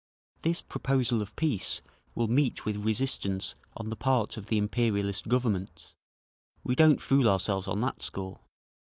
This proposal of peace will meet with resistance on the part of the imperialist governments—we don't fool ourselves on that score.